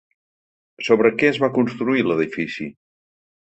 Sobre què es va construir l’edifici?